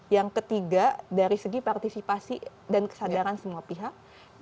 yang ketiga dari segi partisipasi dan kesadaran semua pihak